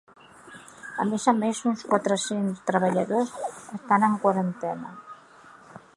A més a més, uns quatre-cents treballadors estan en quarantena.